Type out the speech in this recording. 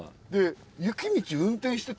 雪道運転してた？